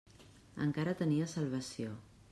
Encara tenia salvació.